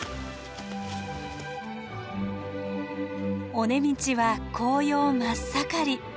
尾根道は紅葉真っ盛り。